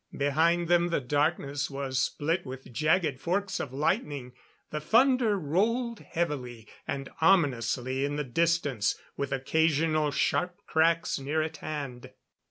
Behind them the darkness was split with jagged forks of lightning. The thunder rolled heavily and ominously in the distance, with occasional sharp cracks near at hand.